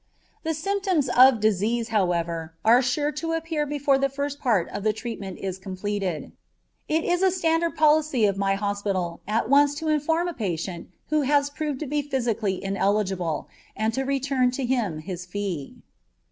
The symptoms of disease, however, are sure to appear before the first part of the treatment is completed. It is a standard policy of my hospital at once to inform a patient who has proved to be physically ineligible, and to return to him his fee.